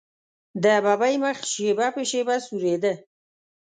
د ببۍ مخ شېبه په شېبه سورېده.